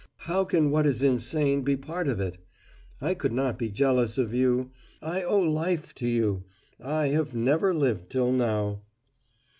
How can what is insane be part of it? I could not be jealous of You. I owe life to you I have never lived till now."